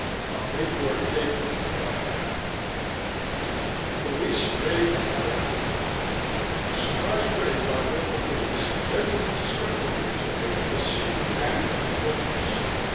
A Mayport dateline caught my eye: POLICE RAID HIDEOUT A surprise raid by local police led to the discovery here today of a secret gangland fortress.